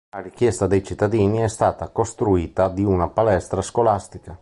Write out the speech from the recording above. A richiesta dei cittadini è stata costruita di una palestra scolastica.